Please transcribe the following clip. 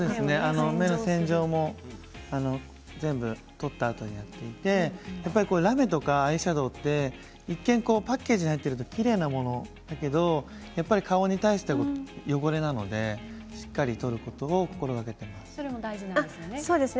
目の洗浄も全部取ったあとにやっていてラメとかアイシャドーって一見パッケージに入っているときれいなものだけどやっぱり顔に対しては汚れなのでしっかり取ることを心がけています。